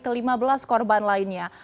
kelima belas korban lainnya